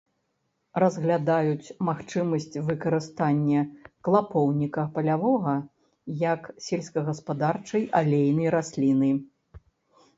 Разглядаюць магчымасць выкарыстання клапоўніка палявога як сельскагаспадарчай алейнай расліны.